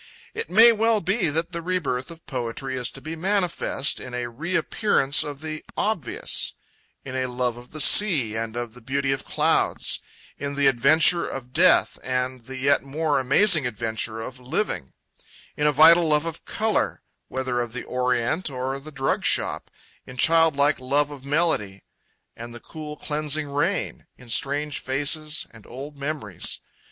It may well be that the rebirth of poetry is to be manifest in a reappearance of the obvious, in a love of the sea and of the beauty of clouds, in the adventure of death and the yet more amazing adventure of living, in a vital love of colour, whether of the Orient or the drug shop, in childlike love of melody, and the cool cleansing of rain, in strange faces and old memories.